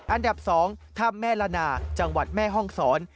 อันดับ๒ถ้ำแม่ละนาจังหวัดแม่ห้องศร